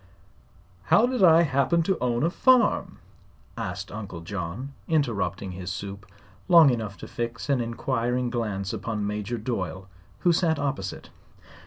"How did I happen to own a farm?" asked Uncle John, interrupting his soup long enough to fix an inquiring glance upon Major Doyle, who sat opposite.